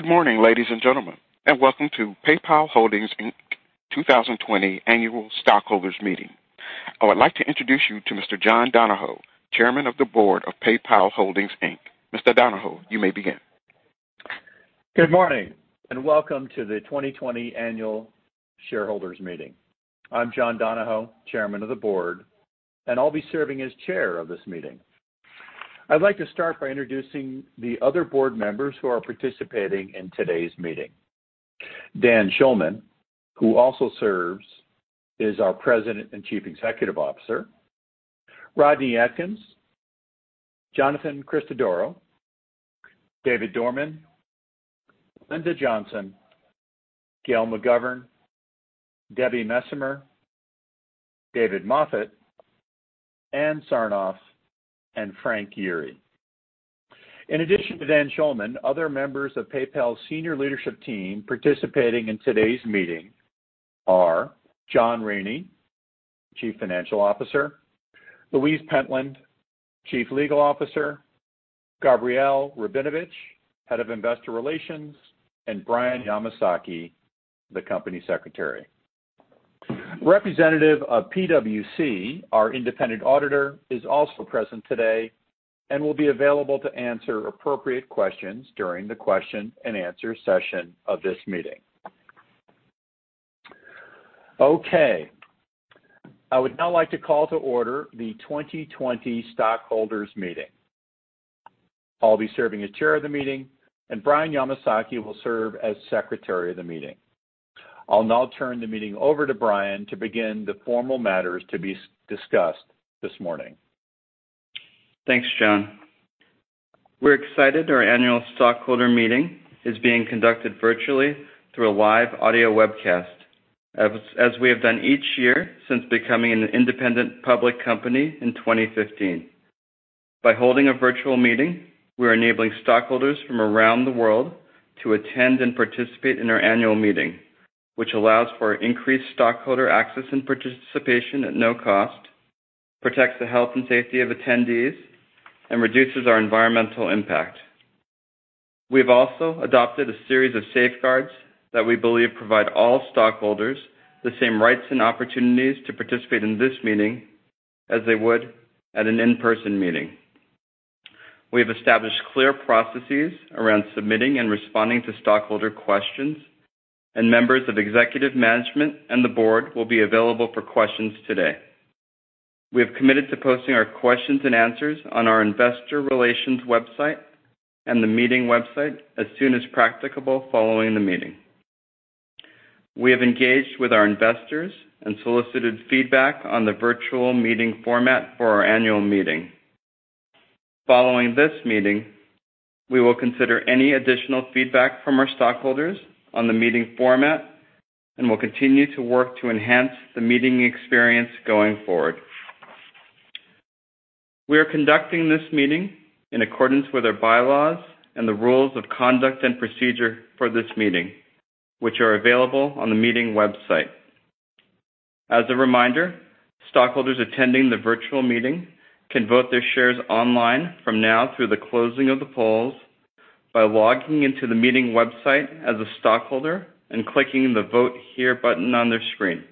Good morning, ladies and gentlemen, welcome to PayPal Holdings, Inc. 2020 Annual Stockholders Meeting. I would like to introduce you to Mr. John Donahoe, Chairman of the Board of PayPal Holdings, Inc. Mr. Donahoe, you may begin. Good morning, welcome to the 2020 Annual Shareholders Meeting. I'm John Donahoe, Chairman of the Board, I'll be serving as Chair of this meeting. I'd like to start by introducing the other board members who are participating in today's meeting. Dan Schulman, who also serves as our President and Chief Executive Officer. Rodney Adkins, Jonathan Christodoro, David Dorman, Belinda Johnson, Gail McGovern, Deborah Messemer, David Moffett, Ann Sarnoff, and Frank Yeary. In addition to Dan Schulman, other members of PayPal's senior leadership team participating in today's meeting are John Rainey, Chief Financial Officer, Louise Pentland, Chief Legal Officer, Gabrielle Rabinovitch, Head of Investor Relations, and Brian Yamasaki, the Company Secretary. Representative of PwC, our independent auditor, is also present today and will be available to answer appropriate questions during the question and answer session of this meeting. Okay. I would now like to call to order the 2020 Stockholders Meeting. I'll be serving as Chair of the meeting. Brian Yamasaki will serve as Secretary of the meeting. I'll now turn the meeting over to Brian to begin the formal matters to be discussed this morning. Thanks, John. We're excited our annual stockholder meeting is being conducted virtually through a live audio webcast, as we have done each year since becoming an independent public company in 2015. By holding a virtual meeting, we're enabling stockholders from around the world to attend and participate in our annual meeting, which allows for increased stockholder access and participation at no cost, protects the health and safety of attendees, and reduces our environmental impact. We have also adopted a series of safeguards that we believe provide all stockholders the same rights and opportunities to participate in this meeting as they would at an in-person meeting. We have established clear processes around submitting and responding to stockholder questions, and members of executive management and the board will be available for questions today. We have committed to posting our questions and answers on our investor relations website and the meeting website as soon as practicable following the meeting. We have engaged with our investors and solicited feedback on the virtual meeting format for our annual meeting. Following this meeting, we will consider any additional feedback from our stockholders on the meeting format and will continue to work to enhance the meeting experience going forward. We are conducting this meeting in accordance with our bylaws and the rules of conduct and procedure for this meeting, which are available on the meeting website. As a reminder, stockholders attending the virtual meeting can vote their shares online from now through the closing of the polls by logging into the meeting website as a stockholder and clicking the Vote Here button on their screen.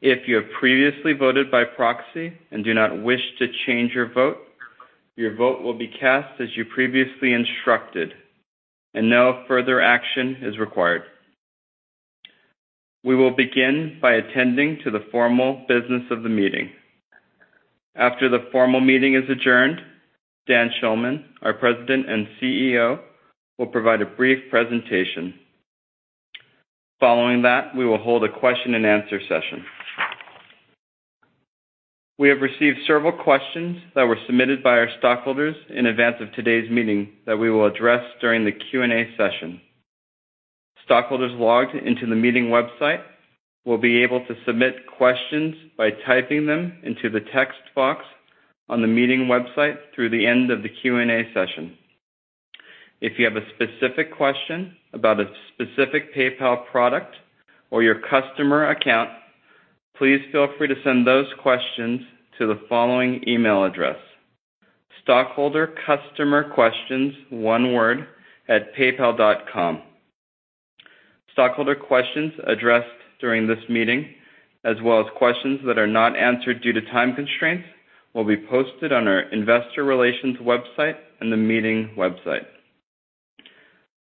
If you have previously voted by proxy and do not wish to change your vote, your vote will be cast as you previously instructed and no further action is required. We will begin by attending to the formal business of the meeting. After the formal meeting is adjourned, Dan Schulman, our President and CEO, will provide a brief presentation. Following that, we will hold a question and answer session. We have received several questions that were submitted by our stockholders in advance of today's meeting that we will address during the Q&A session. Stockholders logged into the meeting website will be able to submit questions by typing them into the text box on the meeting website through the end of the Q&A session. If you have a specific question about a specific PayPal product or your customer account, please feel free to send those questions to the following email address, shareholdercustomquestions@paypal.com. Stockholder questions addressed during this meeting, as well as questions that are not answered due to time constraints, will be posted on our investor relations website and the meeting website.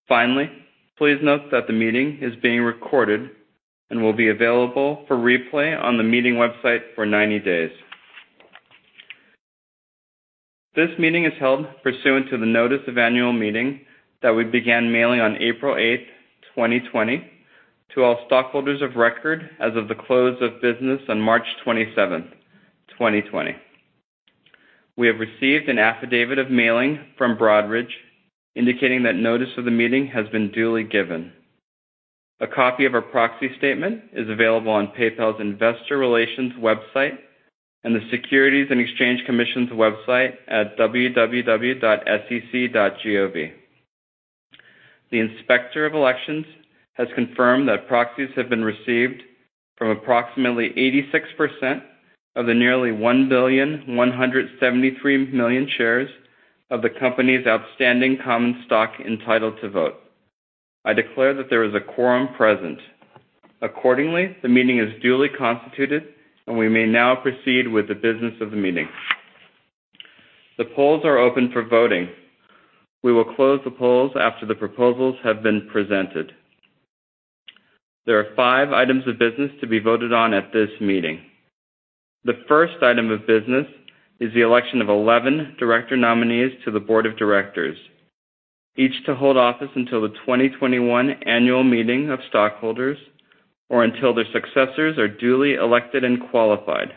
Finally, please note that the meeting is being recorded and will be available for replay on the meeting website for 90 days. This meeting is held pursuant to the notice of annual meeting that we began mailing on April 8, 2020, to all stockholders of record as of the close of business on March 27th, 2020. We have received an affidavit of mailing from Broadridge indicating that notice of the meeting has been duly given. A copy of our proxy statement is available on PayPal's investor relations website and the Securities and Exchange Commission's website at www.sec.gov. The Inspector of Elections has confirmed that proxies have been received from approximately 86% of the nearly 1,173,000,000 shares of the company's outstanding common stock entitled to vote, I declare that there is a quorum present. Accordingly, the meeting is duly constituted, and we may now proceed with the business of the meeting. The polls are open for voting. We will close the polls after the proposals have been presented. There are five items of business to be voted on at this meeting. The first item of business is the election of 11 director nominees to the board of directors, each to hold office until the 2021 annual meeting of stockholders or until their successors are duly elected and qualified.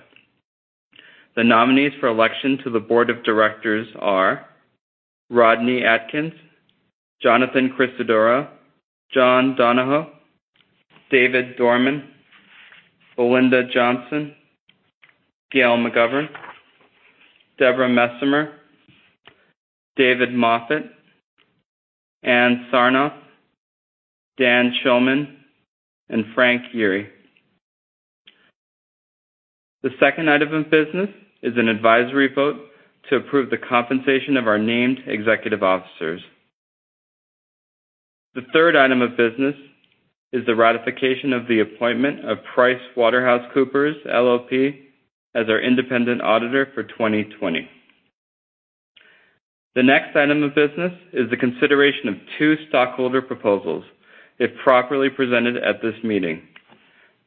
The nominees for election to the board of directors are Rodney Adkins, Jonathan Christodoro, John Donahoe, David Dorman, Belinda Johnson, Gail McGovern, Deborah Messemer, David Moffett, Ann Sarnoff, Dan Schulman, and Frank Yeary. The second item of business is an advisory vote to approve the compensation of our named executive officers. The third item of business is the ratification of the appointment of PricewaterhouseCoopers LLP as our independent auditor for 2020. The next item of business is the consideration of two stockholder proposals, if properly presented at this meeting.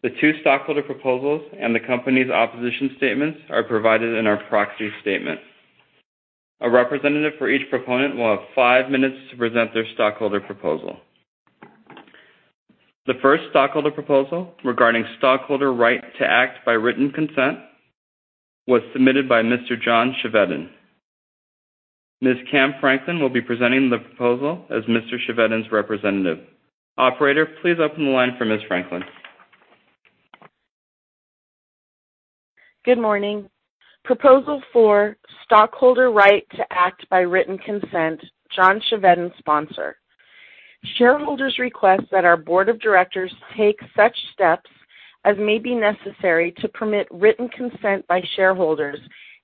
The two stockholder proposals and the company's opposition statements are provided in our proxy statement. A representative for each proponent will have five minutes to present their stockholder proposal. The first stockholder proposal regarding stockholder right to act by written consent was submitted by Mr. John Chevedden. Ms. Cam Franklin will be presenting the proposal as Mr. Chevedden's representative. Operator, please open the line for Ms. Franklin. Good morning. Proposal four, stockholder right to act by written consent, John Chevedden, sponsor. Shareholders request that our board of directors take such steps as may be necessary to permit written consent by shareholders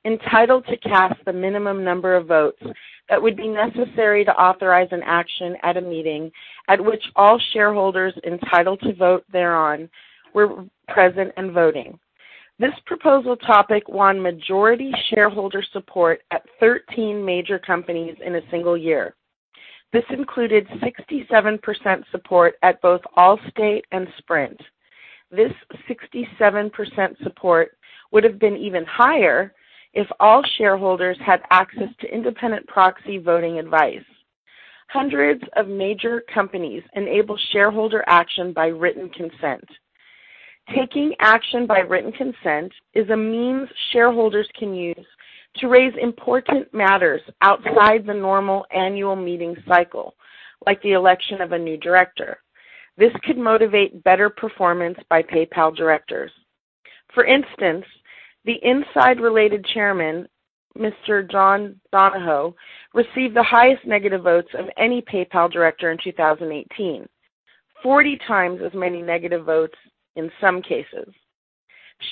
entitled to cast the minimum number of votes that would be necessary to authorize an action at a meeting at which all shareholders entitled to vote thereon were present and voting. This proposal topic won majority shareholder support at 13 major companies in a single year. This included 67% support at both Allstate and Sprint. This 67% support would have been even higher if all shareholders had access to independent proxy voting advice. Hundreds of major companies enable shareholder action by written consent. Taking action by written consent is a means shareholders can use to raise important matters outside the normal annual meeting cycle, like the election of a new director. This could motivate better performance by PayPal directors. For instance, the inside related chairman, Mr. John Donahoe, received the highest negative votes of any PayPal director in 2018, 40 times as many negative votes in some cases.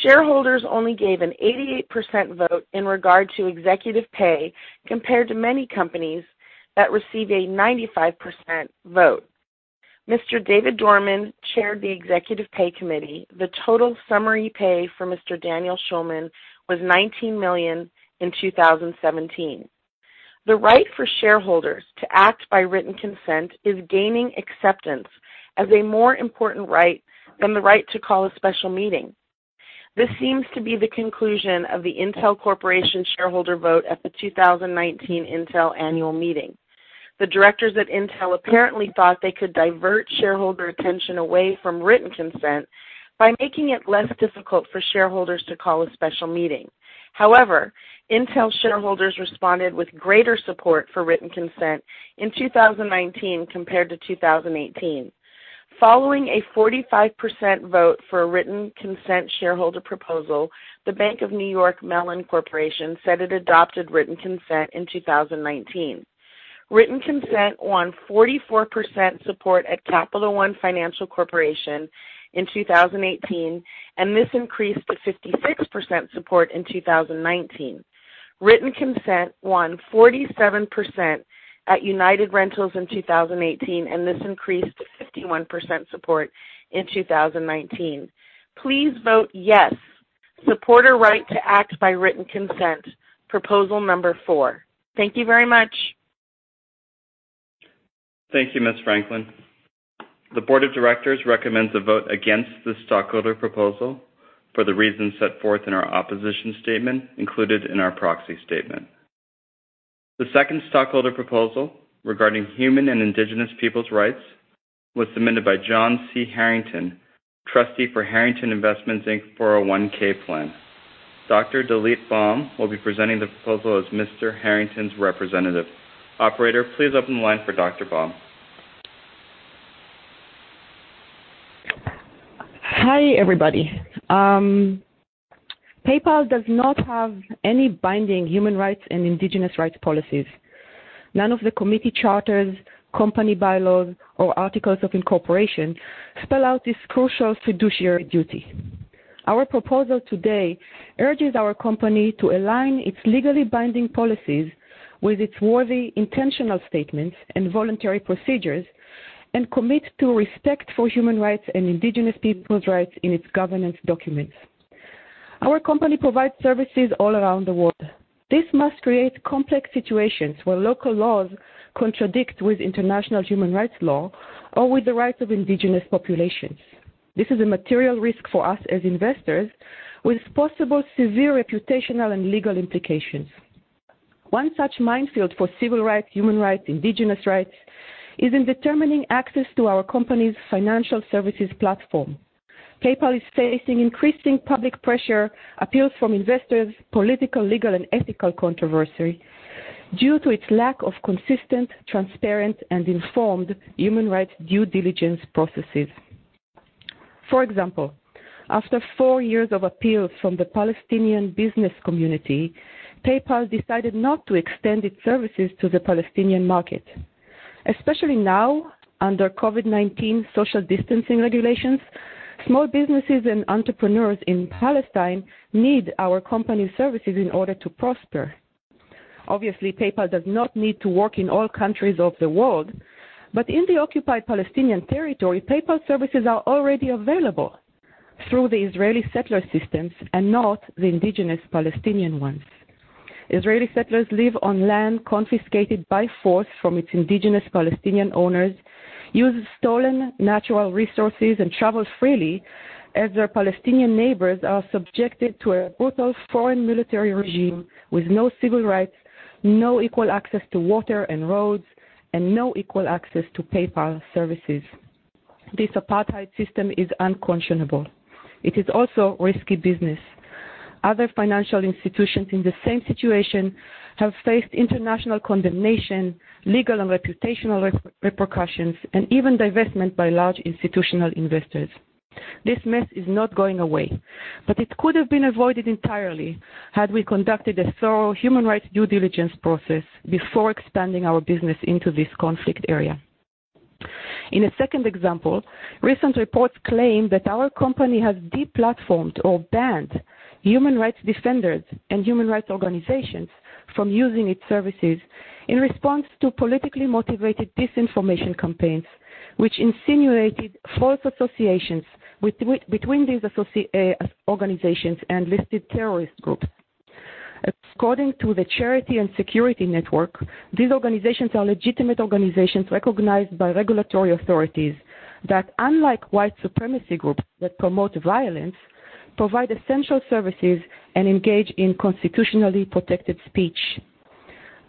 Shareholders only gave an 88% vote in regard to executive pay, compared to many companies that received a 95% vote. Mr. David Dorman chaired the executive pay committee. The total summary pay for Mr. Daniel Schulman was $19 million in 2017. The right for shareholders to act by written consent is gaining acceptance as a more important right than the right to call a special meeting. This seems to be the conclusion of the Intel Corporation shareholder vote at the 2019 Intel annual meeting. The directors at Intel apparently thought they could divert shareholder attention away from written consent by making it less difficult for shareholders to call a special meeting. However, Intel shareholders responded with greater support for written consent in 2019 compared to 2018. Following a 45% vote for a written consent shareholder proposal, the Bank of New York Mellon Corporation said it adopted written consent in 2019. Written consent won 44% support at Capital One Financial Corporation in 2018, and this increased to 56% support in 2019. Written consent won 47% at United Rentals in 2018, and this increased to 51% support in 2019. Please vote yes. Support a right to act by written consent, proposal number four. Thank you very much. Thank you, Ms. Franklin. The board of directors recommends a vote against this stockholder proposal for the reasons set forth in our opposition statement included in our proxy statement. The second stockholder proposal regarding human and indigenous peoples rights was submitted by John C. Harrington, trustee for Harrington Investments, Inc., 401 plan. Dr. Dalit Baum will be presenting the proposal as Mr. Harrington's representative. Operator, please open the line for Dr. Dalit Baum. Hi, everybody. PayPal does not have any binding human rights and indigenous rights policies. None of the committee charters, company bylaws, or articles of incorporation spell out this crucial fiduciary duty. Our proposal today urges our company to align its legally binding policies with its worthy intentional statements and voluntary procedures, and commit to respect for human rights and indigenous peoples' rights in its governance documents. Our company provides services all around the world. This must create complex situations where local laws contradict with international human rights law or with the rights of indigenous populations. This is a material risk for us as investors, with possible severe reputational and legal implications. One such minefield for civil rights, human rights, indigenous rights, is in determining access to our company's financial services platform. PayPal is facing increasing public pressure, appeals from investors, political, legal, and ethical controversy due to its lack of consistent, transparent, and informed human rights due diligence processes. For example, after four years of appeals from the Palestinian business community, PayPal decided not to extend its services to the Palestinian market. Especially now, under COVID-19 social distancing regulations, small businesses and entrepreneurs in Palestine need our company's services in order to prosper. Obviously, PayPal does not need to work in all countries of the world, but in the occupied Palestinian territory, PayPal services are already available through the Israeli settler systems and not the indigenous Palestinian ones. Israeli settlers live on land confiscated by force from its indigenous Palestinian owners, use stolen natural resources, and travel freely as their Palestinian neighbors are subjected to a brutal foreign military regime with no civil rights, no equal access to water and roads, and no equal access to PayPal services. This apartheid system is unconscionable. It is also risky business. Other financial institutions in the same situation have faced international condemnation, legal and reputational repercussions, and even divestment by large institutional investors. This mess is not going away, but it could have been avoided entirely had we conducted a thorough human rights due diligence process before expanding our business into this conflict area. In a second example, recent reports claim that our company has deplatformed or banned human rights defenders and human rights organizations from using its services in response to politically motivated disinformation campaigns, which insinuated false associations between these organizations and listed terrorist groups. According to the Charity & Security Network, these organizations are legitimate organizations recognized by regulatory authorities that, unlike white supremacy groups that promote violence, provide essential services and engage in constitutionally protected speech.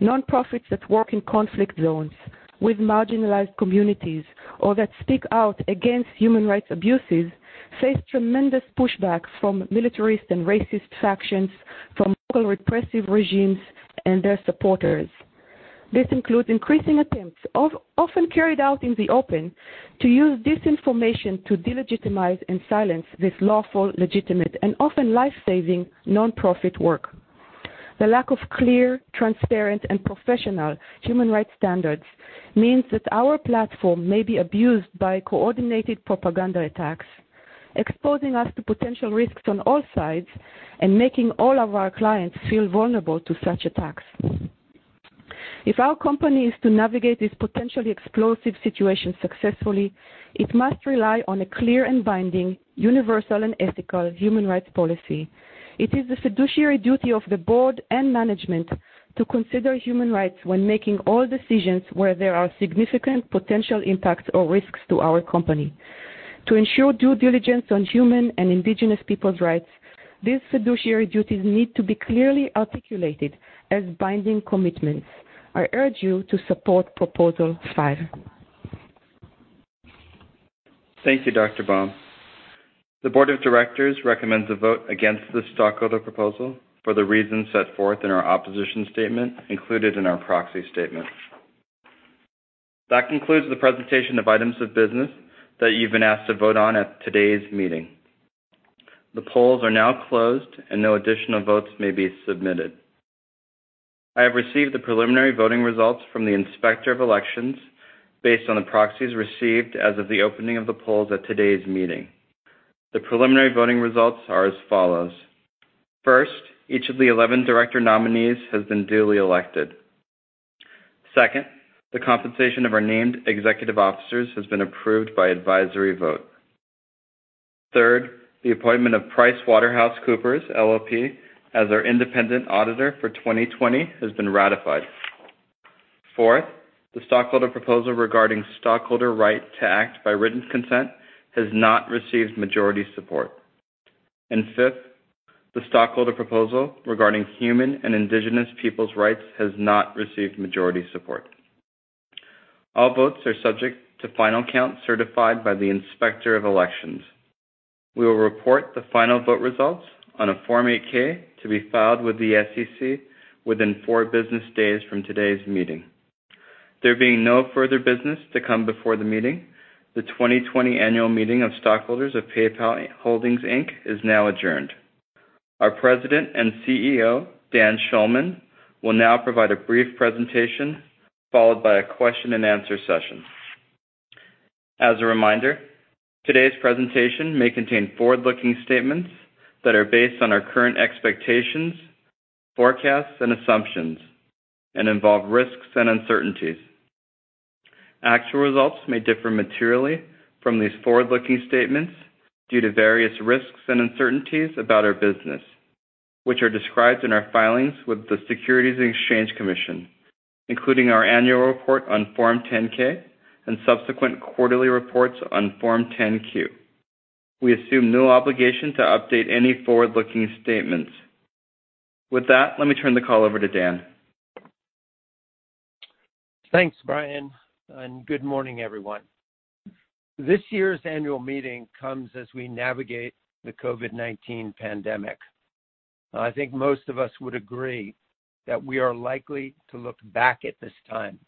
Nonprofits that work in conflict zones with marginalized communities or that speak out against human rights abuses face tremendous pushback from militarist and racist factions, from local repressive regimes and their supporters. This includes increasing attempts, often carried out in the open, to use disinformation to delegitimize and silence this lawful, legitimate, and often life-saving nonprofit work. The lack of clear, transparent, and professional human rights standards means that our platform may be abused by coordinated propaganda attacks, exposing us to potential risks on all sides and making all of our clients feel vulnerable to such attacks. If our company is to navigate this potentially explosive situation successfully, it must rely on a clear and binding universal and ethical human rights policy. It is the fiduciary duty of the board and management to consider human rights when making all decisions where there are significant potential impacts or risks to our company. To ensure due diligence on human and indigenous peoples' rights, these fiduciary duties need to be clearly articulated as binding commitments. I urge you to support proposal five. Thank you, Dr. Baum. The board of directors recommends a vote against this stockholder proposal for the reasons set forth in our opposition statement included in our proxy statement. That concludes the presentation of items of business that you've been asked to vote on at today's meeting. The polls are now closed, and no additional votes may be submitted. I have received the preliminary voting results from the Inspector of Elections based on the proxies received as of the opening of the polls at today's meeting. The preliminary voting results are as follows. First, each of the 11 director nominees has been duly elected. Second, the compensation of our named executive officers has been approved by advisory vote. Third, the appointment of PricewaterhouseCoopers LLP as our independent auditor for 2020 has been ratified. Fourth, the stockholder proposal regarding stockholder right to act by written consent has not received majority support. Fifth, the stockholder proposal regarding human and indigenous peoples rights has not received majority support. All votes are subject to final count certified by the Inspector of Elections. We will report the final vote results on a Form 8-K to be filed with the SEC within four business days from today's meeting. There being no further business to come before the meeting, the 2020 annual meeting of stockholders of PayPal Holdings, Inc. is now adjourned. Our President and CEO, Dan Schulman, will now provide a brief presentation, followed by a question-and-answer session. As a reminder, today's presentation may contain forward-looking statements that are based on our current expectations, forecasts, and assumptions, and involve risks and uncertainties. Actual results may differ materially from these forward-looking statements due to various risks and uncertainties about our business, which are described in our filings with the Securities and Exchange Commission, including our annual report on Form 10-K and subsequent quarterly reports on Form 10-Q. We assume no obligation to update any forward-looking statements. With that, let me turn the call over to Dan. Thanks, Brian. Good morning, everyone. This year's annual meeting comes as we navigate the COVID-19 pandemic. I think most of us would agree that we are likely to look back at this time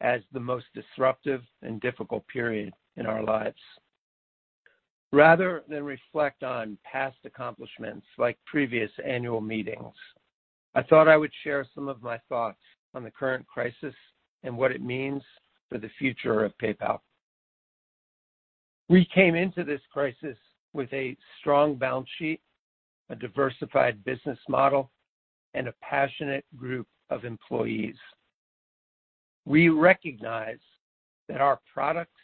as the most disruptive and difficult period in our lives. Rather than reflect on past accomplishments, like previous annual meetings, I thought I would share some of my thoughts on the current crisis and what it means for the future of PayPal. We came into this crisis with a strong balance sheet, a diversified business model, and a passionate group of employees. We recognize that our products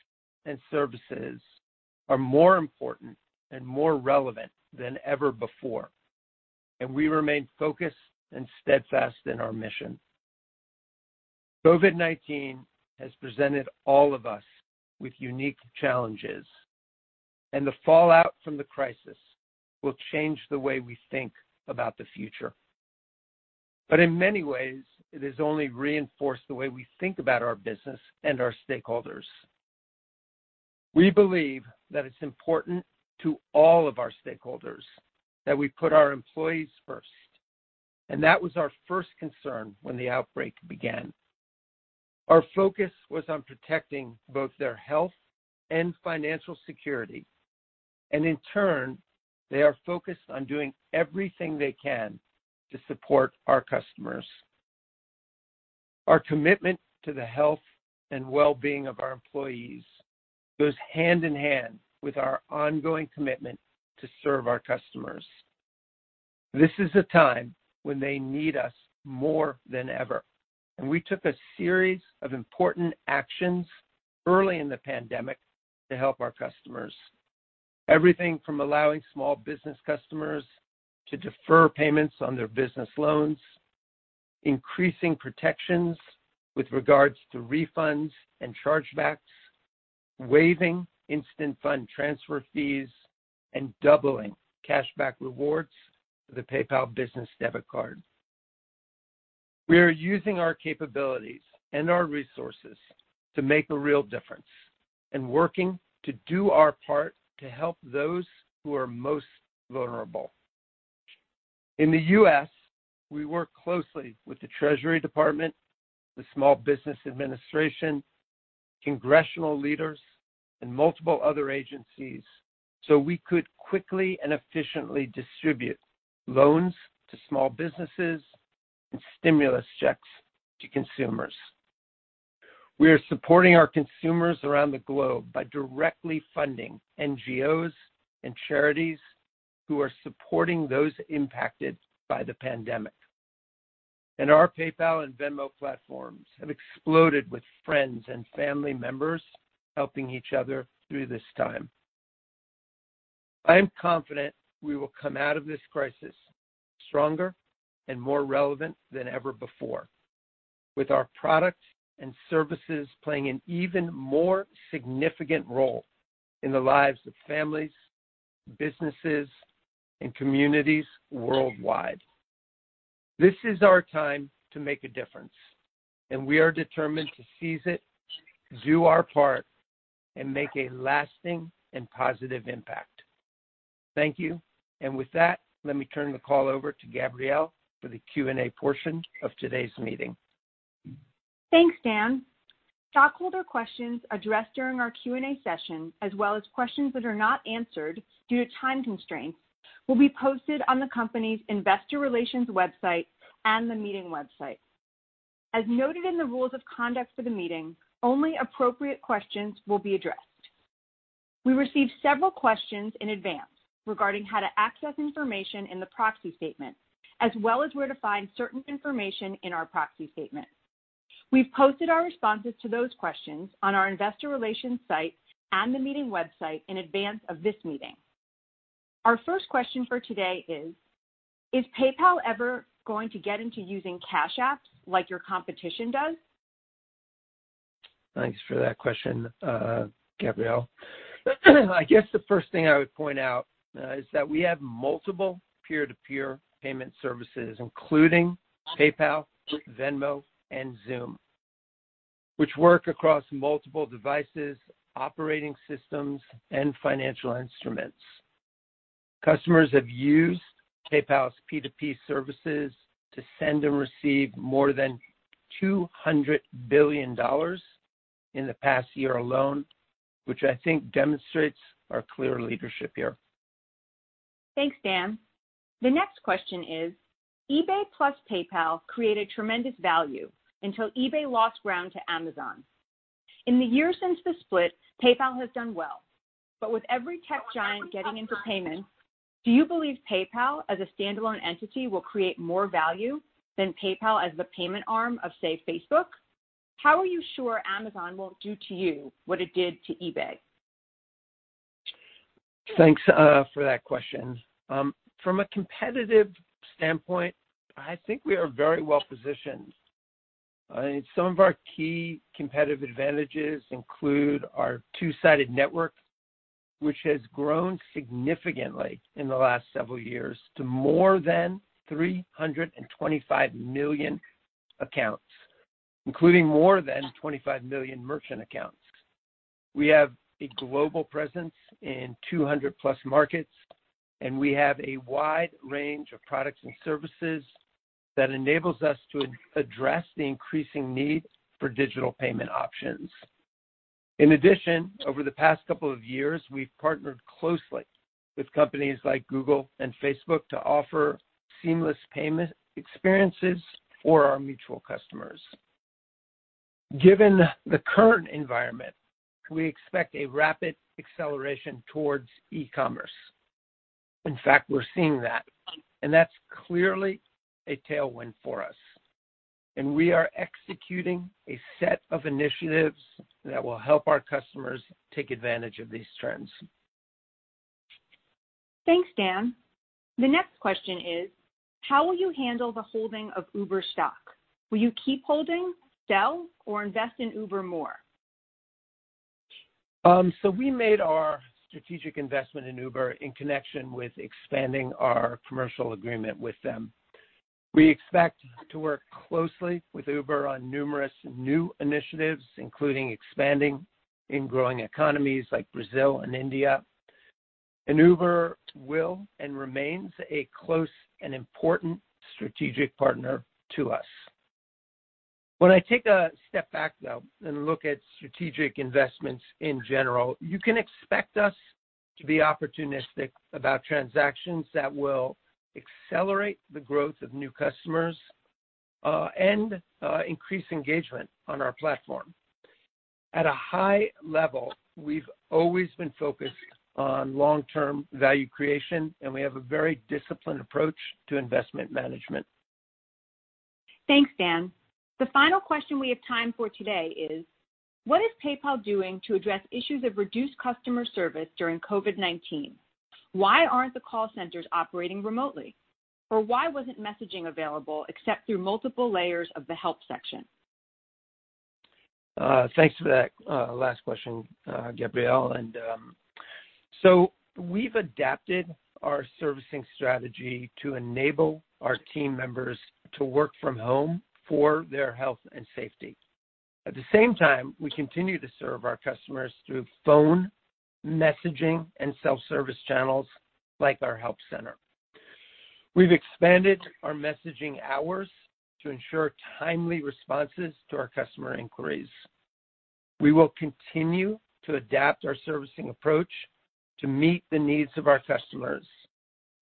and services are more important and more relevant than ever before. We remain focused and steadfast in our mission. COVID-19 has presented all of us with unique challenges. The fallout from the crisis will change the way we think about the future. In many ways, it has only reinforced the way we think about our business and our stakeholders. We believe that it's important to all of our stakeholders that we put our employees first, and that was our first concern when the outbreak began. Our focus was on protecting both their health and financial security, and in turn, they are focused on doing everything they can to support our customers. Our commitment to the health and wellbeing of our employees goes hand-in-hand with our ongoing commitment to serve our customers. This is a time when they need us more than ever, and we took a series of important actions early in the pandemic to help our customers. Everything from allowing small business customers to defer payments on their business loans, increasing protections with regards to refunds and chargebacks, waiving instant fund transfer fees, and doubling cashback rewards for the PayPal Business Debit Mastercard. We are using our capabilities and our resources to make a real difference and working to do our part to help those who are most vulnerable. In the U.S., we work closely with the Treasury Department, the Small Business Administration, congressional leaders, and multiple other agencies so we could quickly and efficiently distribute loans to small businesses and stimulus checks to consumers. We are supporting our consumers around the globe by directly funding NGOs and charities who are supporting those impacted by the pandemic. Our PayPal and Venmo platforms have exploded with friends and family members helping each other through this time. I am confident we will come out of this crisis stronger and more relevant than ever before, with our products and services playing an even more significant role in the lives of families, businesses, and communities worldwide. This is our time to make a difference, and we are determined to seize it, do our part, and make a lasting and positive impact. Thank you. With that, let me turn the call over to Gabrielle for the Q&A portion of today's meeting. Thanks, Dan. Stockholder questions addressed during our Q&A session, as well as questions that are not answered due to time constraints, will be posted on the company's investor relations website and the meeting website. As noted in the rules of conduct for the meeting, only appropriate questions will be addressed. We received several questions in advance regarding how to access information in the proxy statement, as well as where to find certain information in our proxy statement. We've posted our responses to those questions on our investor relations site and the meeting website in advance of this meeting. Our first question for today is: Is PayPal ever going to get into using cash apps like your competition does? Thanks for that question, Gabrielle. I guess the first thing I would point out is that we have multiple peer-to-peer payment services, including PayPal, Venmo, and Xoom, which work across multiple devices, operating systems, and financial instruments. Customers have used PayPal's P2P services to send and receive more than $200 billion in the past year alone, which I think demonstrates our clear leadership here. Thanks, Dan. The next question is, eBay plus PayPal created tremendous value until eBay lost ground to Amazon. In the year since the split, PayPal has done well. With every tech giant getting into payments, do you believe PayPal as a standalone entity will create more value than PayPal as the payment arm of, say, Facebook? How are you sure Amazon won't do to you what it did to eBay? Thanks for that question. From a competitive standpoint, I think we are very well-positioned. Some of our key competitive advantages include our two-sided network, which has grown significantly in the last several years to more than 325 million accounts, including more than 25 million merchant accounts. We have a global presence in 200-plus markets, and we have a wide range of products and services that enables us to address the increasing need for digital payment options. In addition, over the past couple of years, we've partnered closely with companies like Google and Facebook to offer seamless payment experiences for our mutual customers. Given the current environment, we expect a rapid acceleration towards e-commerce. In fact, we're seeing that. That's clearly a tailwind for us. We are executing a set of initiatives that will help our customers take advantage of these trends. Thanks, Dan. The next question is, how will you handle the holding of Uber stock? Will you keep holding, sell, or invest in Uber more? We made our strategic investment in Uber in connection with expanding our commercial agreement with them. We expect to work closely with Uber on numerous new initiatives, including expanding in growing economies like Brazil and India, and Uber will and remains a close and important strategic partner to us. When I take a step back, though, and look at strategic investments in general, you can expect us to be opportunistic about transactions that will accelerate the growth of new customers and increase engagement on our platform. At a high level, we've always been focused on long-term value creation, and we have a very disciplined approach to investment management. Thanks, Dan. The final question we have time for today is, what is PayPal doing to address issues of reduced customer service during COVID-19? Why aren't the call centers operating remotely? Why wasn't messaging available except through multiple layers of the help section? Thanks for that last question, Gabrielle. We've adapted our servicing strategy to enable our team members to work from home for their health and safety. At the same time, we continue to serve our customers through phone, messaging, and self-service channels like our help center. We've expanded our messaging hours to ensure timely responses to our customer inquiries. We will continue to adapt our servicing approach to meet the needs of our customers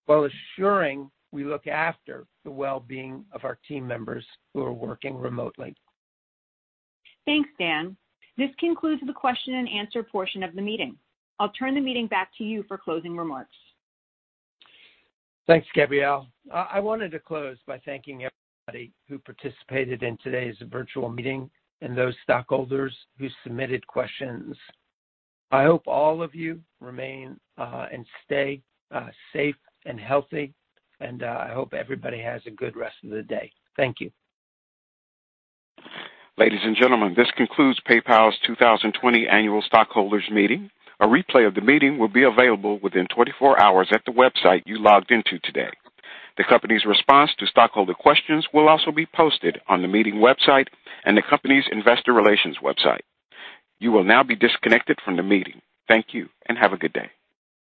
while assuring we look after the well-being of our team members who are working remotely. Thanks, Dan. This concludes the question-and-answer portion of the meeting. I'll turn the meeting back to you for closing remarks. Thanks, Gabrielle. I wanted to close by thanking everybody who participated in today's virtual meeting and those stockholders who submitted questions. I hope all of you remain and stay safe and healthy, and I hope everybody has a good rest of the day. Thank you. Ladies and gentlemen, this concludes PayPal's 2020 Annual Stockholders Meeting. A replay of the meeting will be available within 24 hours at the website you logged into today. The company's response to stockholder questions will also be posted on the meeting website and the company's investor relations website. You will now be disconnected from the meeting. Thank you, and have a good day.